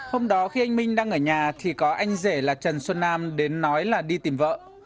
hôm đó khi anh minh đang ở nhà thì có anh rể là trần xuân nam đến nói là đi tìm vợ